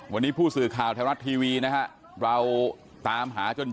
วันนี้ผู้สื่อข่าวไทยรัฐทีวีนะฮะเราตามหาจน